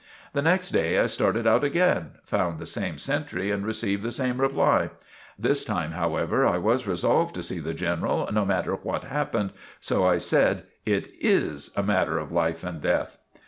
The next day I started out again, found the same sentry and received the same reply. This time, however, I was resolved to see the General, no matter what happened, so I said: "It is a matter of life and death."